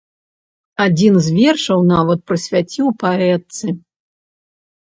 Адзін з вершаў нават прысвяціў паэтцы.